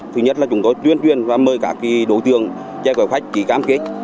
thứ nhất là chúng tôi tuyên truyền và mời các đối tượng chèo kéo khách chỉ cam kết